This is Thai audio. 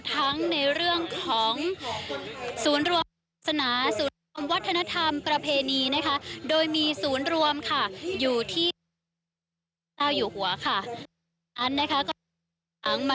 ทั้งในเรื่องของศูนย์รวมสนาศูนย์รวมวัฒนธรรมประเพณีนะคะโดยมีศูนย์รวมค่ะอยู่ที่เจ้าอยู่หัวค่ะ